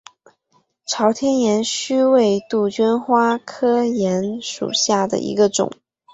朝天岩须为杜鹃花科岩须属下的一个种。